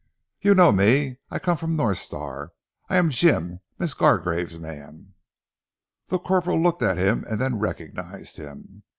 "You know me! I come from North Star. I Jim, Miss Gargrave's man!" The corporal looked at him and then recognized him.